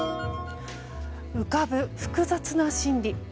浮かぶ複雑な心理。